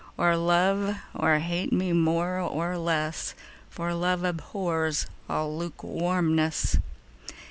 Or love or hate me more or less, 5 For love abhors all lukewarmness.